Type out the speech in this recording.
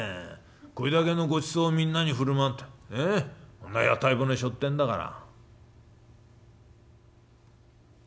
これだけのごちそうみんなに振る舞ってこんな屋台骨しょってんだから」。